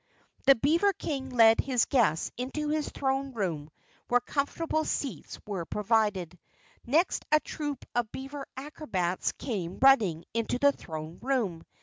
The beaver King led his guests into his throne room where comfortable seats were provided. Next a troop of beaver acrobats came running into the throne room.